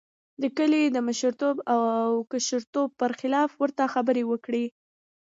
د کلي د مشرتوب او کشرتوب پر خلاف ورته خبرې وکړې.